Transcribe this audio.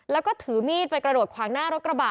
แล้วก็ถือมีดไปกระโดดขวางหน้ารถกระบะ